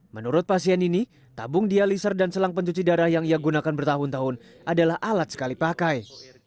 menurut pasien ini tabung dialiser dan selang pencuci darah yang ia gunakan bertahun tahun adalah alat sekali pakai